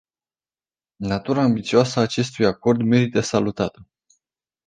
Natura ambițioasă a acestui acord merită salutată.